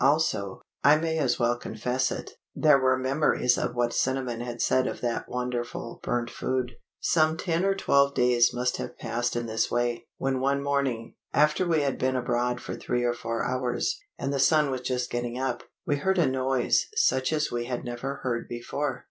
Also I may as well confess it there were memories of what Cinnamon had said of that wonderful burnt food. Some ten or twelve days must have passed in this way, when one morning, after we had been abroad for three or four hours, and the sun was just getting up, we heard a noise such as we had never heard before.